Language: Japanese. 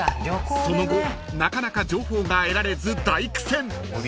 ［その後なかなか情報が得られず］